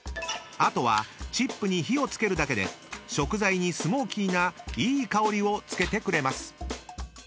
［あとはチップに火を付けるだけで食材にスモーキーないい香りを付けてくれます］